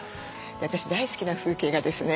私大好きな風景がですね